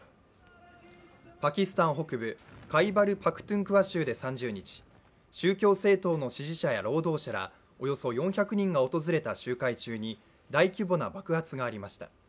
パキスタン北部、カイバルパクトゥンクワ州で３０日、宗教政党の支持者や労働者らおよそ４００人が訪れた集会中に大規模な爆発がありました。